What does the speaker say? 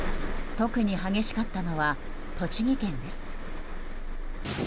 特に激しかったのは栃木県です。